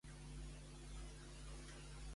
Què ha de comportar la moció contra Rajoy?